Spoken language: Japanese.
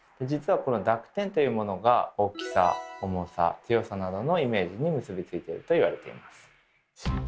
実はこの濁点というものが大きさ重さ強さなどのイメージに結び付いていると言われています。